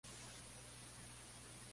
Continúa con una recta hasta el p.k.